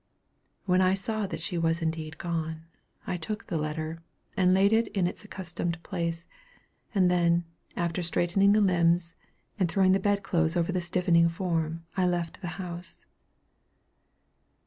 When I saw that she was indeed gone, I took the letter, and laid it in its accustomed place; and then, after straightening the limbs, and throwing the bed clothes over the stiffening form, I left the house.